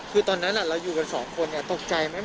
คือตอนนั้นเราอยู่กันสองคนตกใจไหม